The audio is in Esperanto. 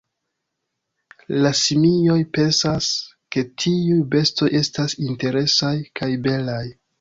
La simioj pensas ke tiuj bestoj estas interesaj kaj belaj.